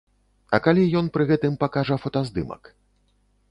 А калі ён пры гэтым пакажа фотаздымак?